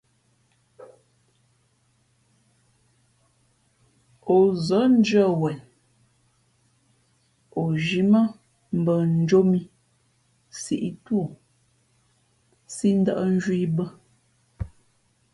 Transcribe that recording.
O zάndʉ̄ᾱ wen, o zhī mά mbα njō mǐ sǐʼ tú o, sī ndα̌ʼ nzhwīē i bᾱ.